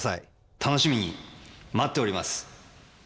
「楽しみに待っております」。